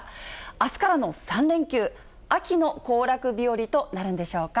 あすからの３連休、秋の行楽日和となるんでしょうか。